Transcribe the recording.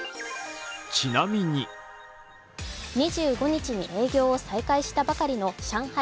２５日に営業を再開したばかりの上海